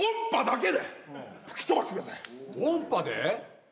音波で？